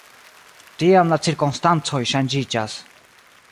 Tiam la cirkonstancoj ŝanĝiĝas.